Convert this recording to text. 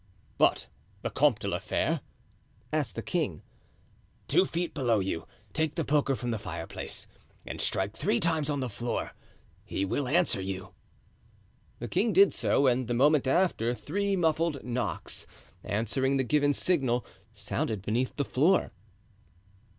"But the Comte de la Fere?" asked the king. "Two feet below you; take the poker from the fireplace and strike three times on the floor. He will answer you." The king did so, and the moment after, three muffled knocks, answering the given signal, sounded beneath the floor.